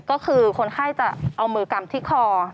ก็คือคนไข้จะเอามือกำที่คอ